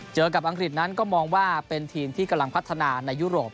เจอกับอังกฤษนั้นก็มองว่าเป็นทีมที่กำลังพัฒนาในยุโรป